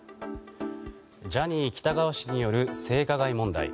ジャニー喜多川氏による性加害問題。